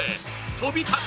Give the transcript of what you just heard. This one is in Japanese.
飛び立て。